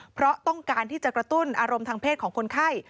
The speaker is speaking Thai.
เพราะต้องการที่จะกระตุ้นอารมณ์ทางเพศของคนไข้